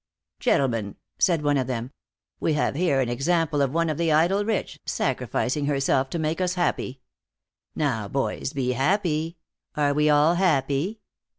"Gentlemen," said one of them, "we have here an example of one of the idle rich, sacrificing herself to make us happy. Now, boys, be happy. Are we all happy?"